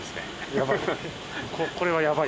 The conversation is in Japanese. やばい？